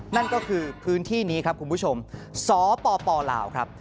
นั่นก็คือพื้นที่นี้ครับคุณผู้ชมสปลาวครับ